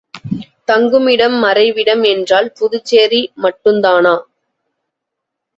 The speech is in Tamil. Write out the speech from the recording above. தங்குமிடம் மறைவிடம் என்றால் புதுச்சேரி மட்டுந்தானா?